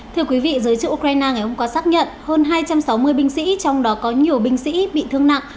thưa quý vị giới chức ukraine ngày hôm qua xác nhận hơn hai trăm sáu mươi binh sĩ trong đó có nhiều binh sĩ bị thương nặng